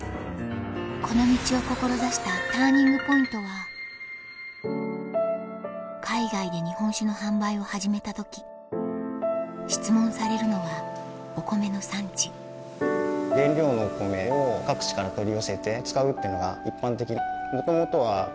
この道を志したＴＵＲＮＩＮＧＰＯＩＮＴは質問されるのはお米の産地原料のお米を各地から取り寄せて使うっていうのが一般的。